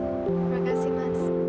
terima kasih mas